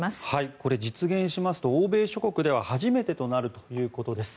これ、実現しますと欧米諸国では初めてとなるということです。